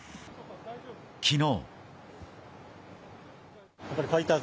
昨日。